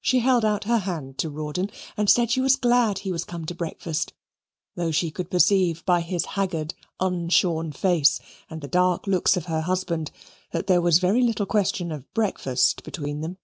She held out her hand to Rawdon and said she was glad he was come to breakfast, though she could perceive, by his haggard unshorn face and the dark looks of her husband, that there was very little question of breakfast between them.